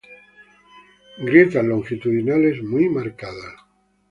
Grietas longitudinales muy marcadas.